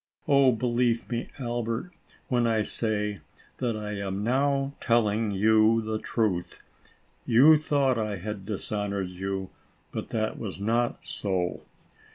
Oh, believe me, Albert, when I say that I am now telling you the truth. You thought I had dishonored you, but that was not so.